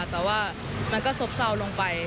แต่ว่ามันก็ซบซาวลงไป